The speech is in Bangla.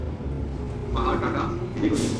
পাহাড়টাটা নিজেই খুঁজে নেব।